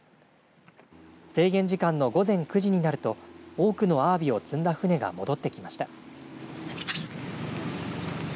制限時間の午前９時になると多くのアワビを積んだ船が戻ってきました。